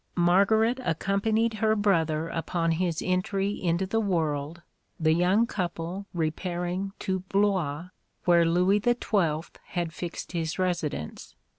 Margaret accompanied her brother upon his entry into the world, the young couple repairing to Blois, where Louis XII. had fixed his residence.